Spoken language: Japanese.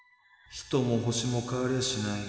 人も星も変わりゃしない。